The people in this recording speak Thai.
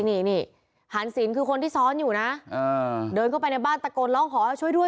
ฮันเซ็นซินคือคนที่ซ้อนอยู่เดินเข้าไปในบ้านตะโกนลองขอช่วย